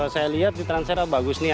saya lihat di transfer bagus nih